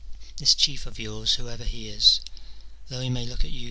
This chief of yours, whoever he is, though he may look at you.